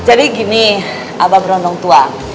jadi gini abah berondong tua